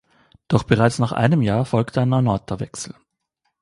Doch bereits nach einem Jahr folgte ein erneuter Wechsel.